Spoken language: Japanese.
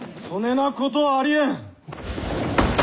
そねなことはありえん。